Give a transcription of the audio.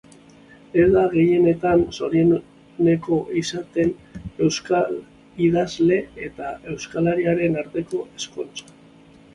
Ez da gehienetan zorionekoa izaten euskal idazle eta euskalariaren arteko ezkontza.